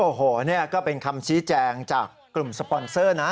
โอ้โหนี่ก็เป็นคำชี้แจงจากกลุ่มสปอนเซอร์นะ